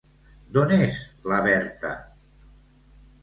D'on és la Berta?